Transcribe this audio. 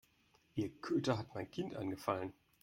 Ihr Köter hat mein Kind angefallen.